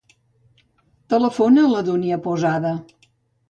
Telefona a la Dúnia Posada.